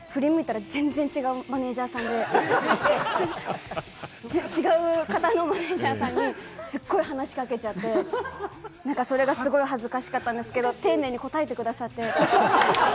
こうかみたいな１人で喋ってて、振り向いたら全然違うマネジャーさんで、違う方のマネジャーさんにすごい話しかけちゃって、それがすごい恥ずかしかったんですけれども、丁寧に答えてくださって。